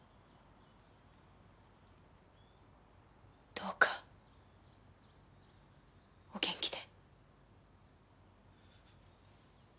どうかお元気で。